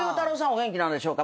お元気なんでしょうか。